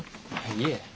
いえ。